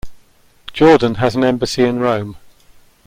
Jordan has an embassy in Rome.